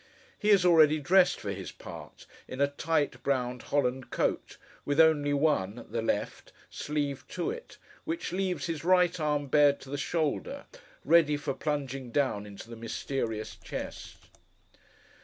He is already dressed for his part, in a tight brown Holland coat, with only one (the left) sleeve to it, which leaves his right arm bared to the shoulder, ready for plunging down into the mysterious chest.